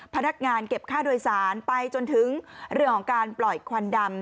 พนักงานเก็บค่าโดยสารไปจนถึงเรื่องของการปล่อยควันดำ